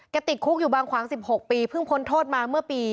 ติดคุกอยู่บางขวาง๑๖ปีเพิ่งพ้นโทษมาเมื่อปี